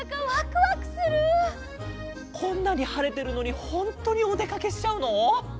こんなにはれてるのにホントにおでかけしちゃうの？